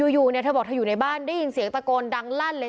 อยู่เนี่ยเธอบอกเธออยู่ในบ้านได้ยินเสียงตะโกนดังลั่นเลย